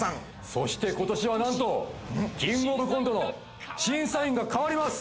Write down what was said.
そして今年は何と「キングオブコント」の審査員がかわります